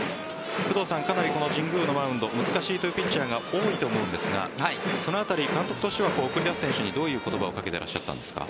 かなり、この神宮のマウンド難しいというピッチャーが多いと思うんですがその辺り、監督としては送り出す選手に、どういう言葉を掛けていらっしゃったんですか？